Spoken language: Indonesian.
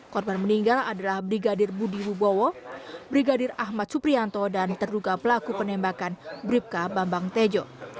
korban meninggal adalah brigadir budi wibowo brigadir ahmad suprianto dan terduga pelaku penembakan bribka bambang tejo